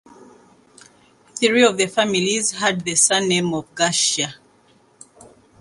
Three of the families had the surname of Garcia.